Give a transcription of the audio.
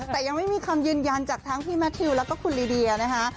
แต่ยังไม่มีคำยืนยันจากทั้งพี่แมททิวแล้วก็คุณลีเดียนะคะ